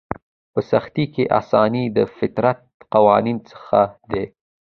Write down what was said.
په سختي کې اساني د فطرت قوانینو څخه دی.